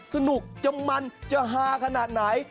สนุกจะมันจะฮาขนาดไหน